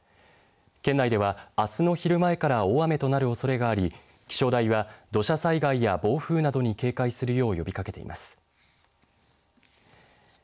県内では、あすの昼前から大雨となるおそれがあり気象台は土砂災害や暴風などに警戒するよう呼びかけています。